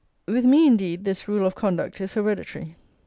With me, indeed, this rule of conduct is hereditary.